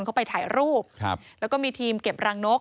เขาไปถ่ายรูปครับแล้วก็มีทีมเก็บรังนก